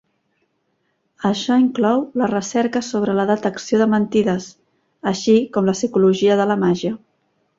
Això inclou la recerca sobre la detecció de mentides, així com la psicologia de la màgia.